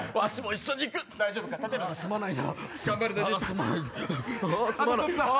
すまないな。